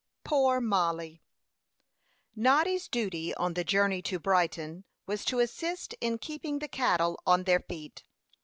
POOR MOLLIE. Noddy's duty on the journey to Brighton was to assist in keeping the cattle on their feet.